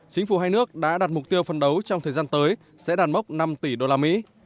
chính phủ hai nước đã đặt mục tiêu phân đấu trong thời gian tới sẽ đàn mốc năm tỷ đô la mỹ